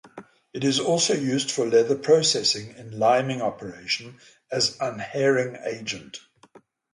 It is also used for leather processing in liming operation as unhairing agent.